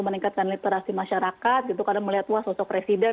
meningkatkan literasi masyarakat gitu karena melihat wakaf uang itu memang sangat penting dan